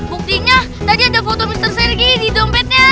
buktinya tadi ada foto mr sergi di dompetnya